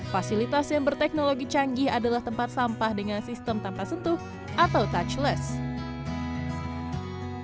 fasilitas yang berteknologi canggih adalah tempat sampah dengan sistem tanpa sentuh atau touchless